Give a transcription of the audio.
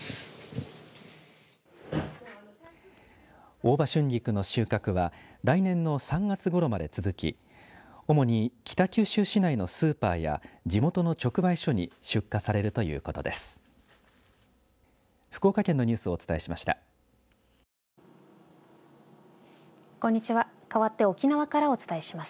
大葉春菊の収穫は来年の３月ごろまで続き主に北九州市内のスーパーや地元の直売所に出荷されるということです。